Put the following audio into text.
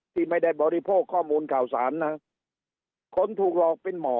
ที่ไม่ได้บริโภคข้อมูลข่าวสารนะคนถูกหลอกเป็นหมอ